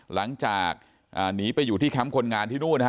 หลังจากหนีไปอยู่ที่แคมป์คนงานที่นู่นนะฮะ